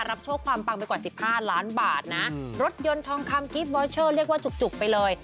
รับโชคความปังไปกว่าสิบห้าล้านบาทนะรถยนต์ทองคำเรียกว่าจุกจุกไปเลย